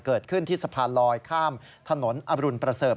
เกิดขึ้นที่สะพานลอยข้ามถนนอรุณประเสริฐ